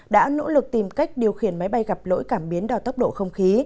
đã nỗ lực tìm cách điều khiển máy bay gặp lỗi cảm biến đòi tốc độ không khí